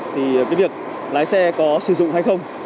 thì cái việc lái xe có sử dụng hay không